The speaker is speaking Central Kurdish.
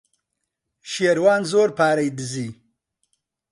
شێروان زۆر پارەی دزی.